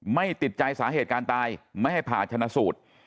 ไม่ติดใจสาเหตุการณ์ตายไม่ให้ผ่าชนะสูตร